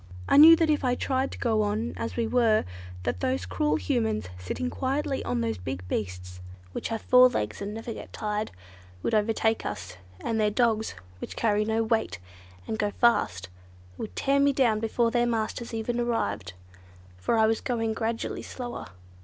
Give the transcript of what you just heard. "I knew if I tried to go on as we were, that those cruel Humans (doing nothing but sit quietly on those big beasts, which have four legs and never get tired) would overtake us, and their dogs (which carry no weight and go so fast) would tear me down before their masters even arrived, for I was going gradually slower.